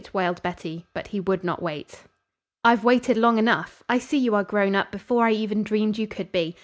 wailed Betty, but he would not wait. "I've waited long enough. I see you are grown up before I even dreamed you could be.